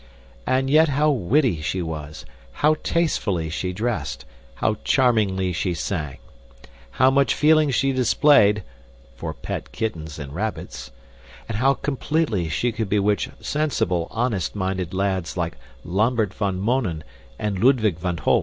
And yet how witty she was, how tastefully she dressed, how charmingly she sang; how much feeling she displayed (for pet kittens and rabbits), and how completely she could bewitch sensible, honest minded lads like Lambert van Mounen and Ludwig van Holp!